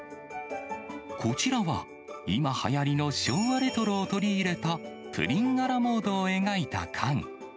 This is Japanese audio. こちらは、今はやりの昭和レトロを取り入れた、プリン・ア・ラ・モードを描いた缶。